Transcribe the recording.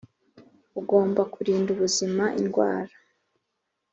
Ugomba kurinda ubuzima indwara